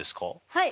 はい。